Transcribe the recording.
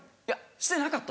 してなかった。